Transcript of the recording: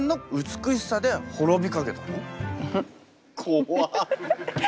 怖っ！